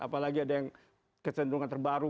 apalagi ada yang kecenderungan terbaru